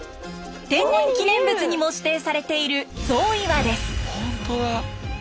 天然記念物にも指定されている象岩です。